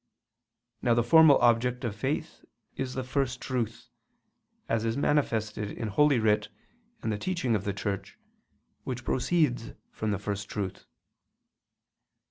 Now the formal object of faith is the First Truth, as manifested in Holy Writ and the teaching of the Church, which proceeds from the First Truth.